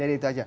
jadi itu aja